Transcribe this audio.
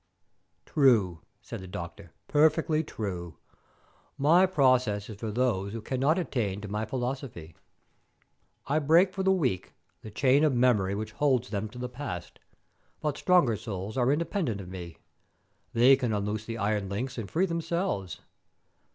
"True," said the doctor, "perfectly true. My process is for those who cannot attain to my philosophy. I break for the weak the chain of memory which holds them to the past; but stronger souls are independent of me. They can unloose the iron links and free themselves.